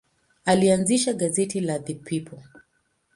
Alianzisha gazeti la The People.